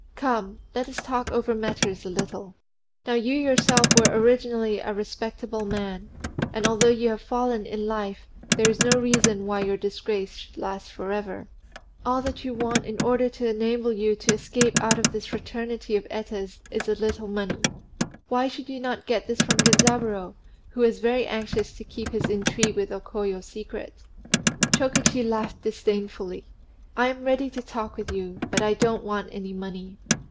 Come! let us talk over matters a little. Now you yourself were originally a respectable man; and although you have fallen in life, there is no reason why your disgrace should last for ever. All that you want in order to enable you to escape out of this fraternity of Etas is a little money. Why should you not get this from Genzaburô, who is very anxious to keep his intrigue with O Koyo secret?" Chokichi laughed disdainfully. "I am ready to talk with you; but I don't want any money.